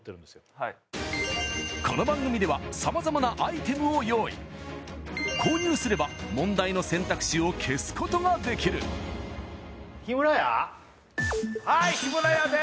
はいこの番組では様々なアイテムを用意購入すれば問題の選択肢を消すことができるはーいヒムラヤです